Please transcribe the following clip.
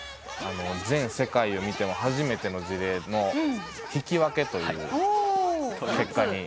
全世界を見ても初めての事例の引き分けという結果に。